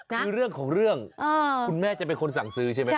คือเรื่องของเรื่องคุณแม่จะเป็นคนสั่งซื้อใช่ไหมครับ